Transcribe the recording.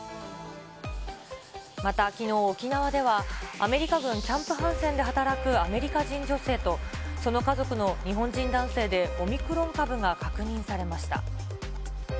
また、きのう沖縄では、アメリカ軍キャンプ・ハンセンで働くアメリカ人女性と、その家族の日本人男性でオミクロン株が確認されました。